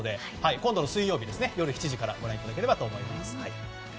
今度の水曜日夜７時からご覧いただければと思います。